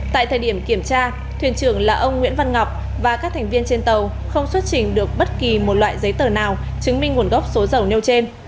tại thời điểm kiểm tra thuyền trưởng là ông nguyễn văn ngọc và các thành viên trên tàu không xuất trình được bất kỳ một loại giấy tờ nào chứng minh nguồn gốc số dầu nêu trên